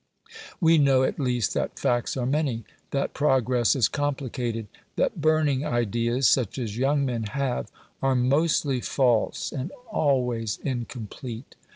We know, at least, that facts are many; that progress is complicated; that burning ideas (such as young men have) are mostly false and always incomplete.